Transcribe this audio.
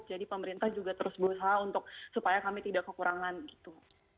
jadi pemerintah juga terus berusaha untuk supaya kami tidak kekurangan gitu